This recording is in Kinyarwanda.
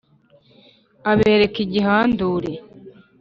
Abereka igihandure